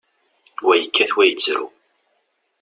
Wa yekkat, wa yettru.